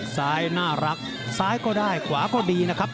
ซ้ายน่ารักซ้ายก็ได้ขวาก็ดีนะครับ